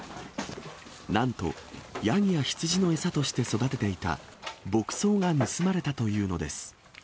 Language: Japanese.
なんとヤギやヒツジの餌として育てていた牧草が盗まれたというのです。